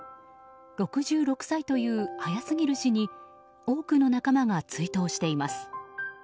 ６６歳という早すぎる死に多くの仲間が追悼しています。